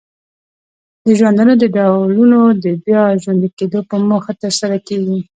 د ژوندانه د ډولونو د بیا ژوندې کیدو په موخه ترسره کیږي.